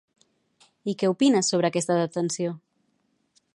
I què opina sobre aquesta detenció?